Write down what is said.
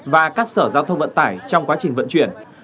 và các sở giao thông vận tải trong quá trình vận chuyển